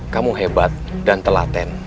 kamu hebat dan telaten